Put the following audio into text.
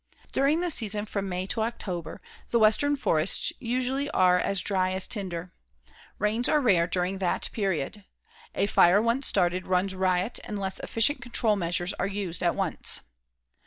During the season from May to October, the western forests usually are as dry as tinder. Rains are rare during that period. A fire once started runs riot unless efficient control measures are used at once.